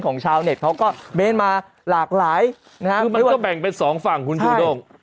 ชาวเน็ตเขาก็เม้นมาหลากหลายนะฮะคือมันก็แบ่งเป็นสองฝั่งคุณจูด้ง